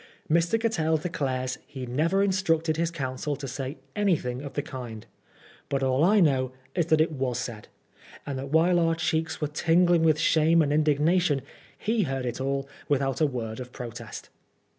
Mr. Cattell declares that he never instructed his counsel to say any thing of the kind ; but all I know is that it was said, and that while our cheeks were tingling with shame and indignation, he heard it all without a word of protest.